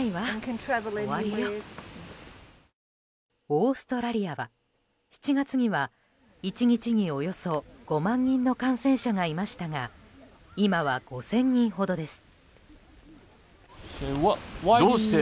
オーストラリアは、７月には１日におよそ５万人の感染者がいましたが今は５０００人ほどです。